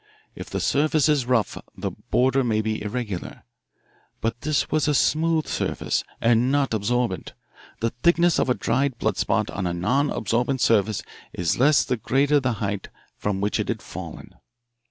If the surface is rough the border may be irregular. But this was a smooth surface and not absorbent. The thickness of a dried blood spot on a non absorbent surface is less the greater the height from which it has fallen.